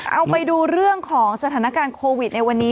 เอาไปดูเรื่องของสถานการณ์โควิดในวันนี้